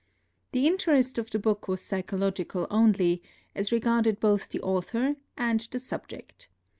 The interest of the book was psychological only, as regarded both the author and the subject.